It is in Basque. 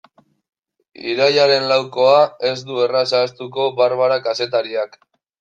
Irailaren laukoa ez du erraz ahaztuko Barbara kazetariak.